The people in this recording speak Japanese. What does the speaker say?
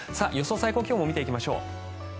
最高気温も見ていきましょう。